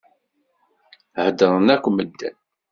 Heddṛen akk medden.